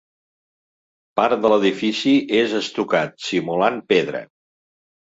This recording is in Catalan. Part de l'edifici és estucat, simulant pedra.